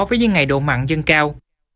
với những ngày độ mặn dân cao